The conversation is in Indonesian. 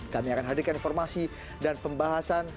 kami akan hadirkan informasi dan pembahasan